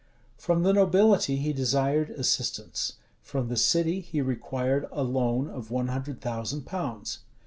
From the nobility he desired assistance: from the city he required a loan of one hundred thousand pounds.